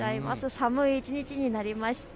寒い一日になりました。